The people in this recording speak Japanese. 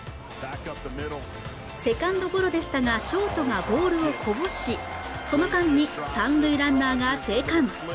セカンドゴロでしたがショートがボールをこぼしその間に三塁ランナーが生還